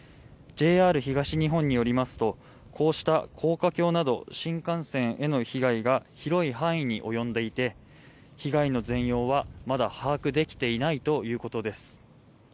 ＪＲ東日本によりますとこうした高架橋など新幹線への範囲が広い範囲に及んでいて被害の全容はまだ把握できていないということです。